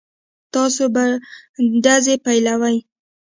تاسې به ډزې پيلوئ.